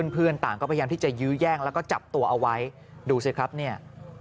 เพื่อนต่างก็พยายามที่จะยื้อแย่งแล้วก็จับตัวเอาไว้ดูสิครับเนี่ย